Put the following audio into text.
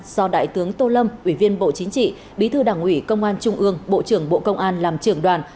do đại tướng tô lâm ủy viên bộ chính trị bí thư đảng ủy công an trung ương bộ trưởng bộ công an làm trưởng đoàn